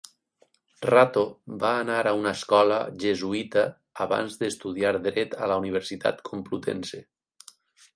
Rato va anar a una escola jesuïta abans d'estudiar Dret a la Universitat Complutense.